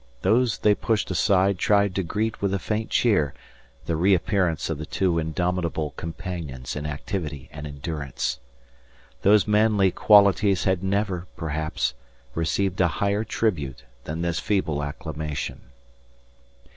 Those they pushed aside tried to greet with a faint cheer the reappearance of the two indomitable companions in activity and endurance. Those manly qualities had never, perhaps, received a higher tribute than this feeble acclamation.